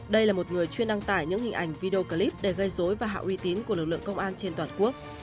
đây là một người chuyên đăng tải những hình ảnh video clip để gây dối và hạ uy tín của lực lượng công an trên toàn quốc